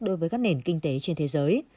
đối với các nền kinh tế trên thế giới